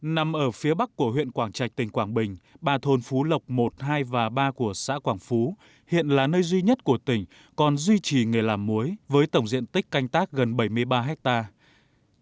nằm ở phía bắc của huyện quảng trạch tỉnh quảng bình ba thôn phú lộc một hai và ba của xã quảng phú hiện là nơi duy nhất của tỉnh còn duy trì nghề làm muối với tổng diện tích canh tác gần bảy mươi ba hectare